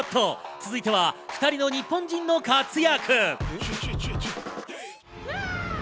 続いては２人の日本人の活躍。